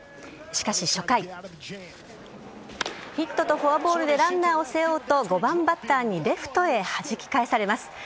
しかし、初回ヒットとフォアボールでランナーを背負うと５番バッターにレフトへはじき返されます。